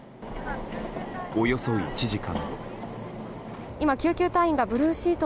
およそ１時間。